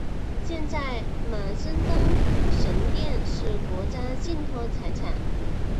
现在马森登神殿是国家信托财产。